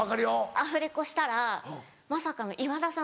アフレコしたらまさかの今田さん